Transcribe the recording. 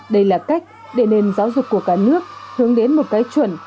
đây là cách để nền giáo dục của cả nước hướng đến một cái chuẩn